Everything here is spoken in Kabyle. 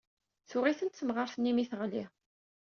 Tuɣ-itent temɣart-nni mi teɣli.